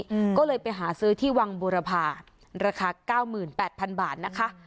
อืมก็เลยไปหาซื้อที่วังบูรพาราคาเก้าหมื่นแปดพันบาทนะคะ